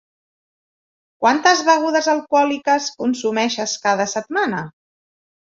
Quantes begudes alcohòliques consumeixes cada setmana?